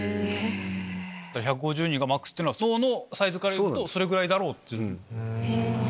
１５０人がマックスっていうのはそのサイズからいうとそれぐらいだろうという。